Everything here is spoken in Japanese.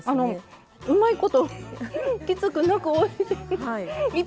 うまいこときつくなく、おいしい。